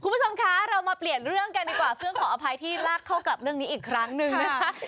คุณผู้ชมคะเรามาเปลี่ยนเรื่องกันดีกว่าเพื่อขออภัยที่ลากเข้ากับเรื่องนี้อีกครั้งหนึ่งนะคะ